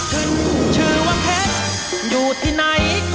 พี่เป็นนาค